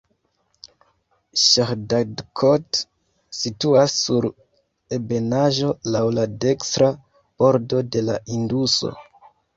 Ŝahdadkot situas sur ebenaĵo laŭ la dekstra bordo de la Induso.